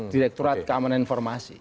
direkturat keamanan informasi